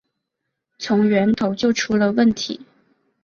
从源头就出了问题